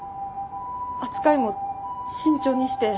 扱いも慎重にして。